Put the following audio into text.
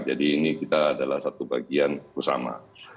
jadi ini kita adalah satu bagian bersama